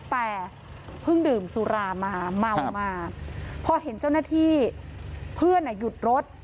แต่เพิ่งดื่มสุรามาเมามาพอเห็นเจ้าหน้าที่เพื่อนหยุดรถ